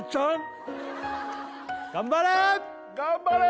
頑張れ！